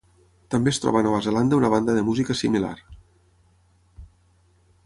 També es troba a Nova Zelanda una banda de música similar.